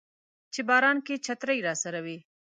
چې په باران کې چترۍ راسره وي